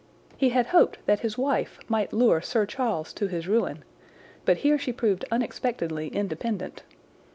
He had hoped that his wife might lure Sir Charles to his ruin, but here she proved unexpectedly independent.